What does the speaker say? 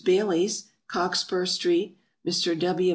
BAILEY'S, Cockspur street; Mr. W.